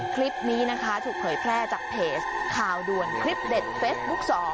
คลิปนี้นะคะถูกเผยแพร่จากเพจข่าวด่วนคลิปเด็ดเฟสบุ๊ค๒